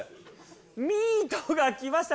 ミートが来ました。